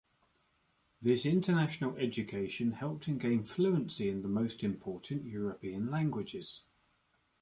This international education helped him gain fluency in the most important European languages.